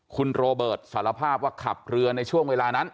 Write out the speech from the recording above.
คุณโรเบิร์ตสารภาพว่าขับเรือในช่วงเวลานั้น